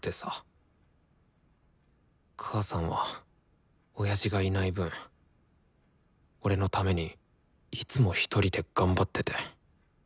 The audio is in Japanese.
母さんは親父がいない分俺のためにいつもひとりで頑張ってて。